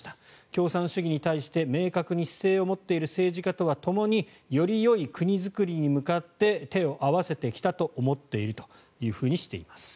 共産主義に対して明確に姿勢を持っている政治家とはともによりよい国作りに向かって手を合わせてきたと思っているというふうにしています。